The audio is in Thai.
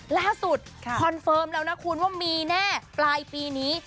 คอนเฟิร์มแล้วนะคุณว่ามีแน่ปลายปีนี้